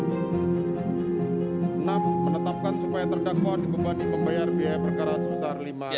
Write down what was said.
enam menetapkan supaya terdakwa dibebani membayar biaya perkara sebesar lima